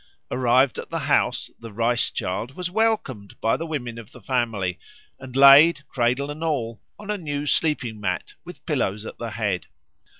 Arrived at the house the Rice child was welcomed by the women of the family, and laid, cradle and all, on a new sleepingmat with pillows at the head.